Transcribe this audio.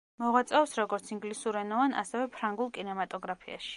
მოღვაწეობს როგორც ინგლისურენოვან, ასევე ფრანგულ კინემატოგრაფში.